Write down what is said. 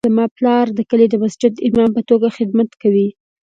زما پلار د کلي د مسجد د امام په توګه خدمت کوي